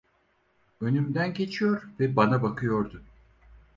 Önümden geçiyor ve bana bakıyordu.